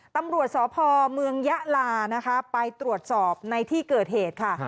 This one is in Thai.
ตำรวจสพเมืองยะลานะคะไปตรวจสอบในที่เกิดเหตุค่ะ